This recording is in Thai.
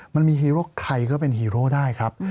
มันมีฮีโร่ใครก็เป็นฮีโร่ได้ครับ